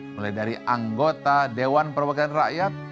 mulai dari anggota dewan perwakilan rakyat